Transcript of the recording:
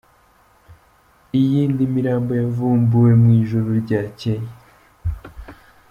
Iyindi mirambo yavumbuwe mu ijoro ryacyeye.